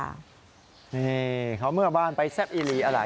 นี่เขาเมื่อบ้านไปแซ่บอีหลีอะไร